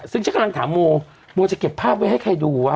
ซึ่งฉันกำลังถามโอโมอามีนาโอโมอามีนาจะเก็บภาพไว้ให้ใครดูวะ